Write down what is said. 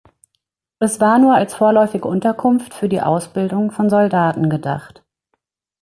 Es war nur als vorläufige Unterkunft für die Ausbildung von Soldaten gedacht.